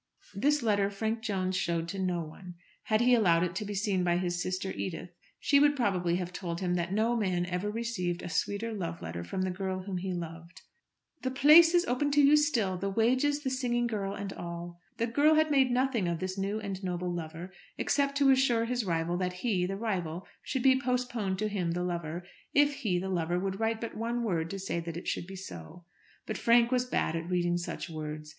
This letter Frank Jones showed to no one. Had he allowed it to be seen by his sister Edith, she would probably have told him that no man ever received a sweeter love letter from the girl whom he loved. "The place is open to you still, the wages, the singing girl, and all." The girl had made nothing of this new and noble lover, except to assure his rival that he, the rival, should be postponed to him, the lover, if he, the lover, would write but one word to say that it should be so. But Frank was bad at reading such words.